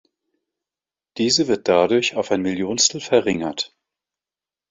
Diese wird dadurch auf ein Millionstel verringert.